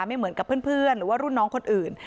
ไม่เหมือนกับเพื่อนหรือว่ารุ่นน้องคนอื่น